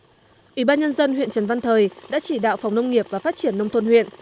ủy ban nhân dân huyện trần văn thời đã chỉ đạo phòng nông nghiệp và phát triển nông thôn huyện